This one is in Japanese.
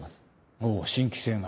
ほう新規性が。